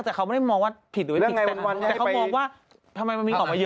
แต่เขาไม่ได้มองว่าผิดหรือไม่ผิดแต่เขามองว่าทำไมมันมีออกมาเยอะ